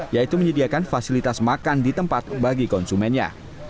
yaitu menyediakan fasilitas makan di tempat bagi konsumennya